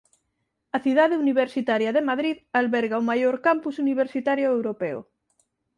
A Cidade Universitaria de Madrid alberga o maior "campus" universitario europeo.